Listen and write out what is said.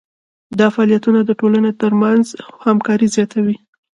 دا فعالیتونه د ټولنې ترمنځ همکاري زیاتوي.